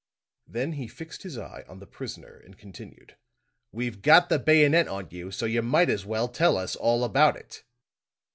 Then he fixed his eye on the prisoner and continued: "We've got the bayonet on you; so you might as well tell us all about it."